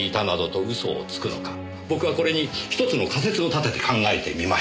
僕はこれに１つの仮説を立てて考えてみました。